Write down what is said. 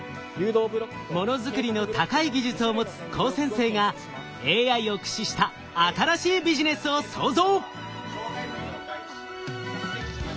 ものづくりの高い技術を持つ高専生がＡＩを駆使した新しいビジネスを創造！